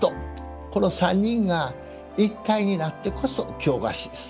この３人が一体になってこそ京菓子です。